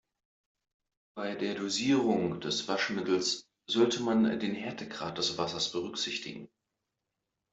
Bei der Dosierung des Waschmittels sollte man den Härtegrad des Wassers berücksichtigen.